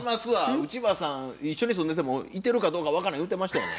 内場さん一緒に住んでてもいてるかどうか分からん言うてましたやない。